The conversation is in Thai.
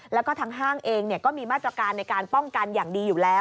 แล้วก็ทางห้างเองก็มีมาตรการในการป้องกันอย่างดีอยู่แล้ว